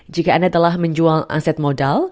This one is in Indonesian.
jika anda telah menjual aset modal